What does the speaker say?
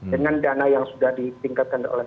dengan dana yang sudah ditingkatkan oleh